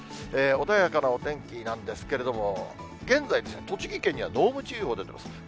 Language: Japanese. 穏やかなお天気なんですけれども、現在、栃木県には濃霧注意報出てます。